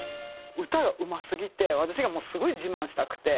歌がうますぎて私がもうすごい自慢したくて。